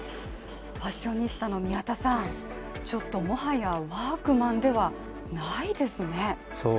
ファッショニスタの宮田さん、もはやワークマンではないですね。